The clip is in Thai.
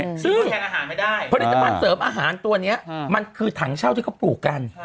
ซึ่งผลิตภัณฑ์เสริมอาหารตัวนี้มันคือถังเช่าที่เขาปลูกกัน